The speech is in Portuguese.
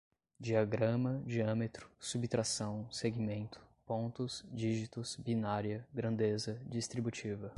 diagrama, diâmetro, subtração, segmento, pontos, dígitos, binária, grandeza, distributiva